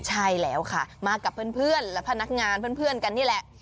ใช่แล้วค่ะมากับเพื่อนเพื่อนและพนักงานเพื่อนเพื่อนกันนี่แหละ